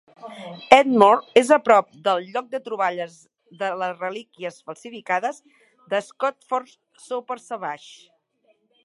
Edmore és a prop del lloc de troballes de les relíquies falsificades de Scotford-Soper-Savage.